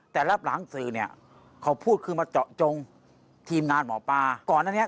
แต่รับหลังสื่อเนี่ยเขาพูดคือมาเจาะจงทีมงานหมอปลาก่อนอันนี้